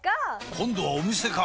今度はお店か！